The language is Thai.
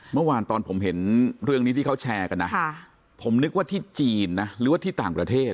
เมื่อวานตอนผมเห็นเรื่องนี้ที่เขาแชร์กันนะผมนึกว่าที่จีนนะหรือว่าที่ต่างประเทศ